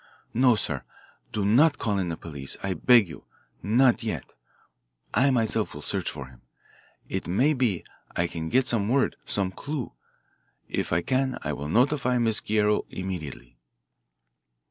No, sir, do not call in the police, I beg you not yet. I myself will search for him. It may be I can get some word, some clue. If I can I will notify Miss Guerrero immediately."